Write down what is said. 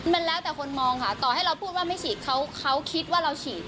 มันแล้วแต่คนมองค่ะต่อให้เราพูดว่าไม่ฉีดเขาคิดว่าเราฉีด